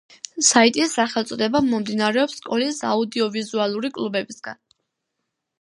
საიტის სახელწოდება მომდინარეობს სკოლის აუდიოვიზუალური კლუბებისგან.